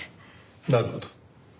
なるほど。